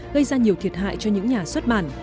gây ra nhiều thiệt hại cho những nhà xuất bản